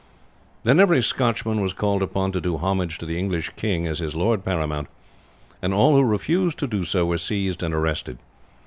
"Then every Scotchman was called upon to do homage to the English king as his lord paramount, and all who refused to do so were seized and arrested.